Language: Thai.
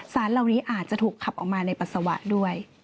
สารเหล่านี้อาจจะถูกขับออกมาในปัสสาวะด้วย